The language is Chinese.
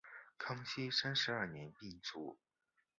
康熙三十二年病卒。